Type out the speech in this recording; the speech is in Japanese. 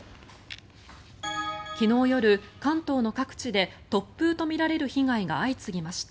昨日夜、関東の各地で突風とみられる被害が相次ぎました。